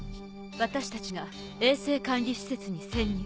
私たちが衛星管理施設に潜入。